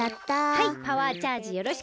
はいパワーチャージよろしく。